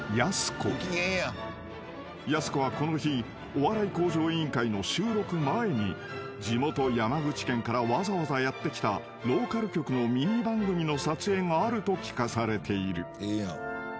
［やす子はこの日『お笑い向上委員会』の収録前に地元山口県からわざわざやって来たローカル局のミニ番組の撮影があると聞かされている］